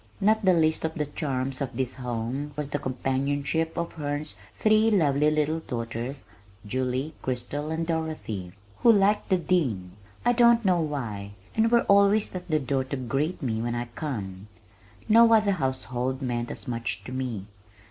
Not the least of the charms of this home was the companionship of Herne's three lovely little daughters Julie, Chrystal and Dorothy, who liked "the Dean" I don't know why and were always at the door to greet me when I came. No other household meant as much to me.